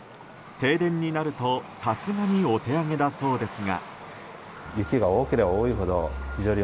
停電になると、さすがにお手上げだそうですが。